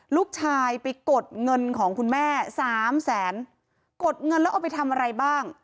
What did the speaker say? ลูกชายไปกดเงินของคุณแม่สามแสนกดเงินแล้วเอาไปทำอะไรบ้าง